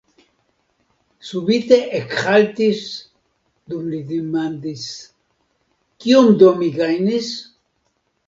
Subite ekhaltis, dum li demandis: Kiom do mi gajnis?